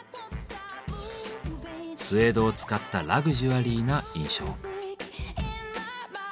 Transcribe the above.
スエードを使ったラグジュアリーな印象。